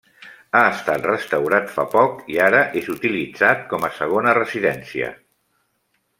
Ha estat restaurat fa poc i ara és utilitzat com a segona residència.